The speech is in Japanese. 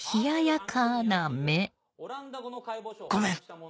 ごめん